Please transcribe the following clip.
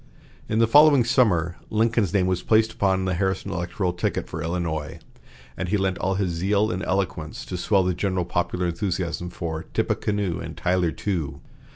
In the following summer, Lincoln's name was placed upon the Harrison electoral ticket for Illinois, and he lent all his zeal and eloquence to swell the general popular enthusiasm for "Tippecanoe and Tyler too."